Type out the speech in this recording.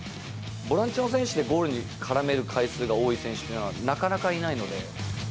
ボランチの選手でゴールに絡める回数が多い選手というのはなかなかいないので。